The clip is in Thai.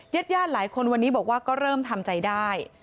ญาติญาติหลายคนวันนี้บอกว่าก็เริ่มทำใจได้